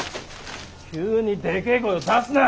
急にでけえ声を出すな！